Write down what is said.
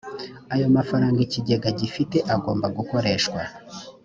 ayo mafaranga ikigega gifite agomba gukoreshwa